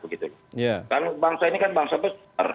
karena bangsa ini kan bangsa besar